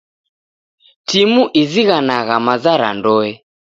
Timu izighanagha maza ra ndoe.